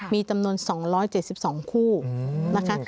มีจำนวน๒๗๒คู่นะคะ